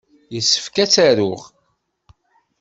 Yessefk ad tt-aruɣ.